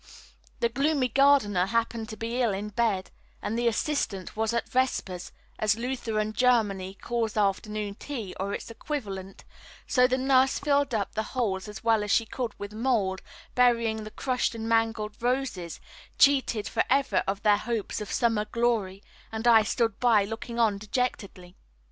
The gloomy gardener happened to be ill in bed, and the assistant was at vespers as Lutheran Germany calls afternoon tea or its equivalent so the nurse filled up the holes as well as she could with mould, burying the crushed and mangled roses, cheated for ever of their hopes of summer glory, and I stood by looking on dejectedly.